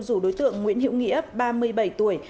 rủ đối tượng nguyễn hiệu nghĩa ba mươi bảy tuổi